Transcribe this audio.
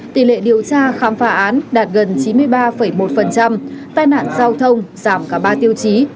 tỷ lệ điều tra khám phá án đạt gần chín mươi ba một tai nạn giao thông giảm cả ba tiêu chí